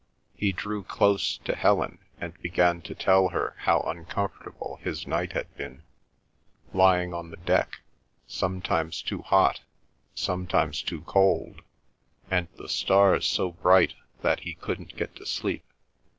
He drew close to Helen and began to tell her how uncomfortable his night had been, lying on the deck, sometimes too hot, sometimes too cold, and the stars so bright that he couldn't get to sleep.